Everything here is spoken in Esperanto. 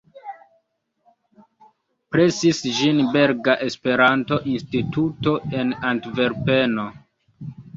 Presis ĝin Belga Esperanto-Instituto en Antverpeno.